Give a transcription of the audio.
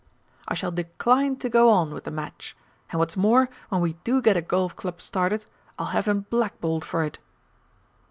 I shall decline to go on with the match. And what's more, when we do get a Golf Club started, I'll have him blackballed for it!"